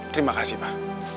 terima kasih pak